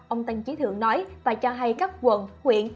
ông tân chí thượng nói và cho hay các quận huyện